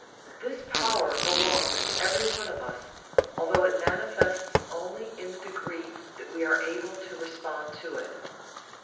This power belongs to every one of us, although it manifests only in the degree that we are able to respond to it.